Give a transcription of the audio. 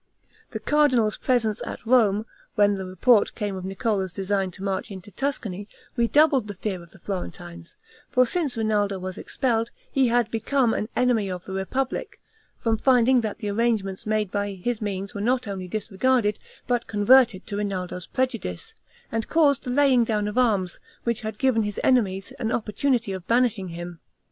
The cardinal's presence at Rome, when the report came of Niccolo's design to march into Tuscany, redoubled the fear of the Florentines; for, since Rinaldo was expelled, he had become an enemy of the republic, from finding that the arrangements made by his means were not only disregarded, but converted to Rinaldo's prejudice, and caused the laying down of arms, which had given his enemies an opportunity of banishing him.